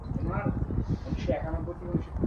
চলো তৈরি হয়ে নাও।